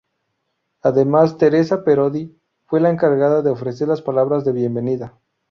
Además, Teresa Parodi fue la encargada de ofrecer las palabras de bienvenida.